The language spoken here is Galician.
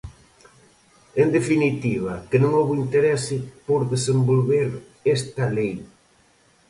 En definitiva, que non houbo interese por desenvolver esta lei.